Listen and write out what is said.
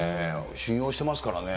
信用してますからね。